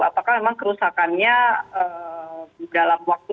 apakah memang kerusakannya dalam waktu